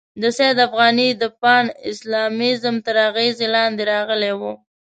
د سید افغاني د پان اسلامیزم تر اغېزې لاندې راغلی وو.